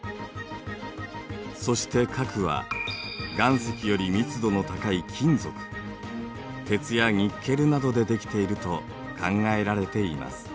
そして核は岩石より密度の高い金属鉄やニッケルなどでできていると考えられています。